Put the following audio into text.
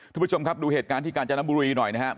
ทุกผู้ชมครับดูเหตุการณ์ที่กาญจนบุรีหน่อยนะครับ